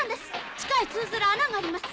地下へ通ずる穴があります！